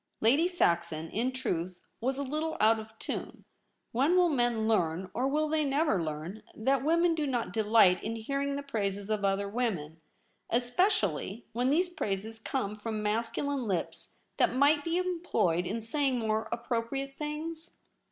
Lady Saxon, in truth, was a litde out of tune. When will men learn, or will they never learn, that women do not delight in hearing the praises of other women ; espe cially when these praises come from masculine lips that might be employed in saying more appropriate things